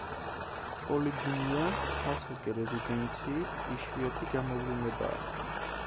პოლიგინია ცალ–ცალკე რეზიდენციით იშვიათი გამოვლინებაა.